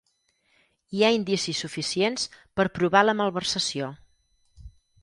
Hi ha indicis suficients per provar la malversació